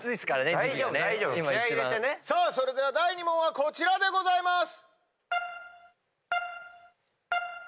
さあそれでは第２問はこちらでございます。